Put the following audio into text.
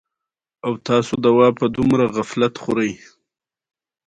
د پیتالوژي علم د مرګ سبب معلوموي.